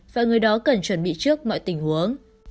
và người đó cần chuẩn bị trước mọi tình huống